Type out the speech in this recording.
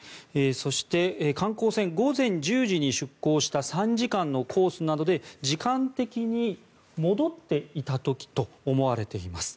そして、観光船午前１０時に出航した３時間のコースなどで時間的に戻っていた時と思われています。